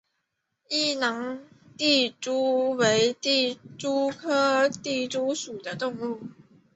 异囊地蛛为地蛛科地蛛属的动物。